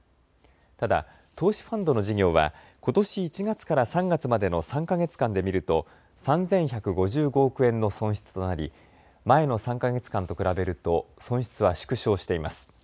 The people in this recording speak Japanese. ただ投資ファンドの事業はことし１月から３月までの３か月間で見ると３１５５億円の損失となり前の３か月間と比べると損失は縮小しています。